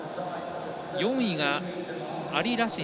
４位がアリ・ラチン。